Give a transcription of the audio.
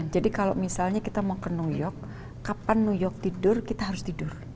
jadi kalau misalnya kita mau ke new york kapan new york tidur kita harus tidur